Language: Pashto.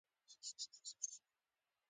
مینه په حجاب کې ښوونځي ته تله